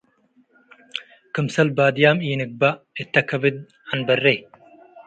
ክምሰል ባድያም ኢንግበእ እተ ከብድ ዐንበሬ